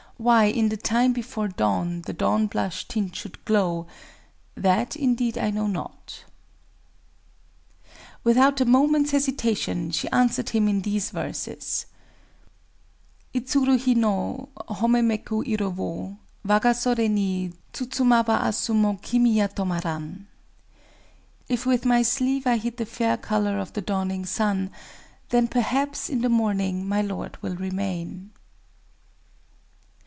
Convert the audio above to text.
Why, in the time before dawn, the dawn blush tint should glow—that, indeed, I know not._"] Without a moment's hesitation, she answered him in these verses:— "Izuru hi no Honoméku iro wo Waga sodé ni Tsutsumaba asu mo Kimiya tomaran." ["_If with my sleeve I hid the faint fair color of the dawning sun,—then, perhaps, in the morning my lord will remain.